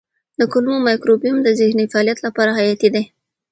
د کولمو مایکروبیوم د ذهني فعالیت لپاره حیاتي دی.